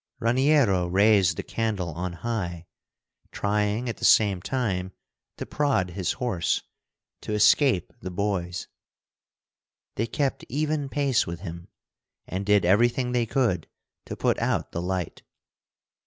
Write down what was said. Raniero raised the candle on high, trying at the same time to prod his horse, to escape the boys. They kept even pace with him, and did everything they could to put out the light.